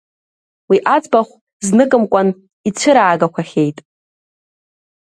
Уи аӡбахә зныкымкәан ицәыраагақәахьеит.